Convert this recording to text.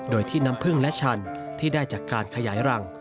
โดยที่น้ำพึ่งและชันที่ได้จากการขยายรัง